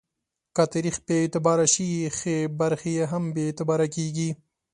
که تاریخ بې اعتباره شي، ښې برخې یې هم بې اعتباره کېږي.